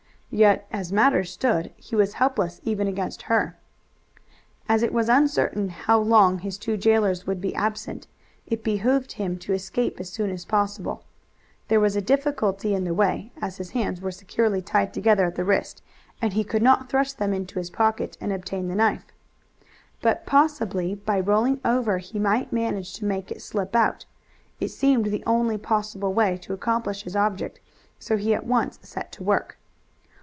Yet as matters stood he was helpless even against her. As it was uncertain how long his two jailers would be absent, it behooved him to escape as soon as possible. There was a difficulty in the way, as his hands were securely tied together at the wrist, and he could not thrust them into his pocket and obtain the knife. But possibly by rolling over he might manage to make it slip out. It seemed the only possible way to accomplish his object, so he at once set to work.